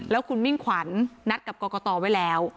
แล้วคุณมิ่งขวัญนัดกับกรกตไว้แล้ว